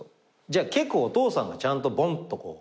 じゃあ結構お父さんがちゃんとぼんっとこう。